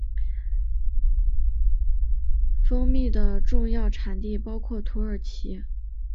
蜂蜜的重要产地包括土耳其。